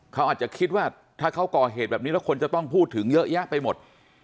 เขาอาจจะคิดว่าถ้าเขาก่อเหตุแบบนี้แล้วคนจะต้องพูดถึงเยอะแยะไปหมด